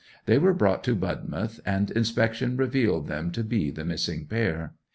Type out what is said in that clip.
They were brought to Budmouth, and inspection revealed them to be the missing pair.